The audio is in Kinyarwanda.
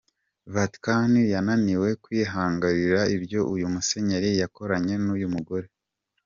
Vatican yananiwe kwihanganira ibyo uyu musenyeri yakoranye n'uyu mugore.